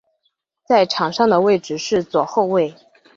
在场上的位置是左后卫。